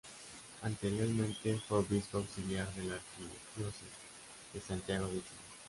Anteriormente fue obispo auxiliar de la Arquidiócesis de Santiago de Chile.